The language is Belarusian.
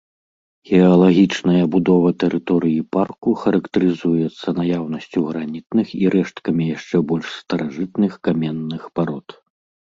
Геалагічная будова тэрыторыі парку характарызуецца наяўнасцю гранітных і рэшткамі яшчэ больш старажытных каменных парод.